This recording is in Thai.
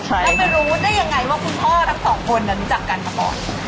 แล้วไปรู้ได้ยังไงว่าคุณพ่อทั้งสองคนรู้จักกันมาก่อน